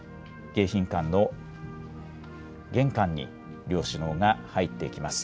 迎賓館の玄関に両首脳が入っていきます。